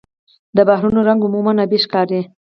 د بحرونو رنګ عموماً آبي ښکاري.